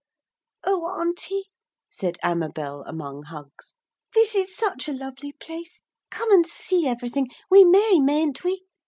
'Oh, Auntie,' said Amabel among hugs, 'This is such a lovely place, come and see everything, we may, mayn't we?'